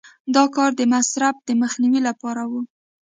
دا کار د مصرف د مخنیوي لپاره و.